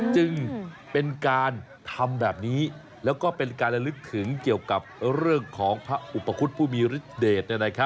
จึงเป็นการทำแบบนี้แล้วก็เป็นการระลึกถึงเกี่ยวกับเรื่องของพระอุปคุฎผู้มีฤทธเดช